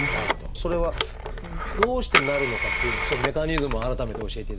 それはどうしてなるのかっていうようなそのメカニズムを改めて教えていただきたいんですが。